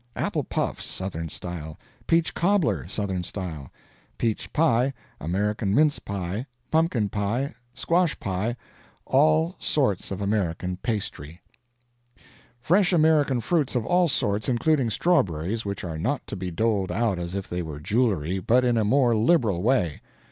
Apple puffs, Southern style. Peach cobbler, Southern style Peach pie. American mince pie. Pumpkin pie. Squash pie. All sorts of American pastry. Fresh American fruits of all sorts, including strawberries which are not to be doled out as if they were jewelry, but in a more liberal way.